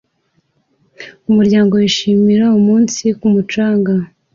Umuryango wishimira umunsi ku mucanga